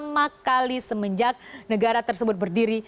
ini adalah pertemuan pertama kali semenjak negara tersebut berdiri